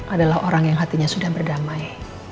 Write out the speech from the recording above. adalah orang yang hatinya sudah berdamai